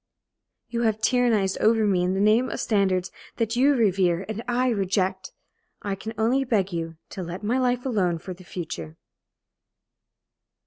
You have tyrannized over me in the name of standards that you revere and I reject. I can only beg you to let my life alone for the future."